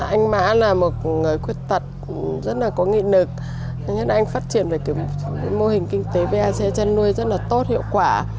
anh mã là một người khuyết tật rất là có nghị lực thứ nhất là anh phát triển về mô hình kinh tế vac chăn nuôi rất là tốt hiệu quả